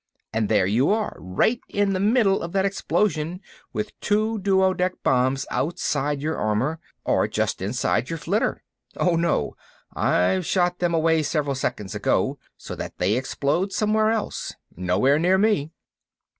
"And there you are, right in the middle of that explosion, with two duodec bombs outside your armor—or just inside your flitter." "Oh, no. I've shot them away several seconds ago, so that they explode somewhere else, nowhere near me."